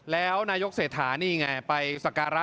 แล้วนายกเศรษฐานี่ไงไปสการะ